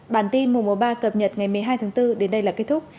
bản tin mùa ba cập nhật ngày một mươi hai tháng bốn đến đây là kết thúc